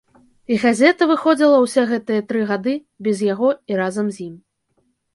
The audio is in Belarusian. І газета выходзіла ўсе гэтыя тры гады, без яго і разам з ім.